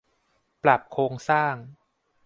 ปรับโครงสร้าง